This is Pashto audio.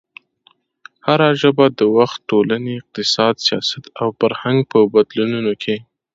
هره ژبه د وخت، ټولنې، اقتصاد، سیاست او فرهنګ په بدلونونو کې